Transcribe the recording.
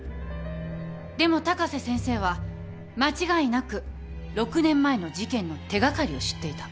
でも高瀬先生は間違いなく６年前の事件の手掛かりを知っていた。